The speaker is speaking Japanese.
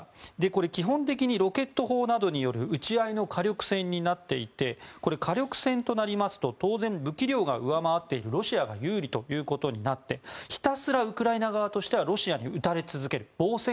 これ、基本的にロケット砲などによる撃ち合いの火力戦になっていてこれ、火力戦となりますと当然、武器量が上回っているロシアが有利ということになってひたすらウクライナ側としてはロシアに撃たれ続ける防戦